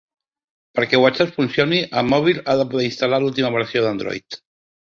Perquè WhatsApp funcioni el mòbil ha de poder instal·lar l'última versió d'Android